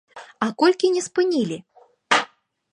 А колькі не спынілі?